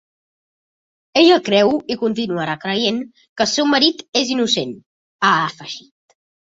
Ella creu, i continuarà creient, que el seu marit és innocent, ha afegit.